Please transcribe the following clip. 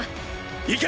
行け！